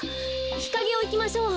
ひかげをいきましょう。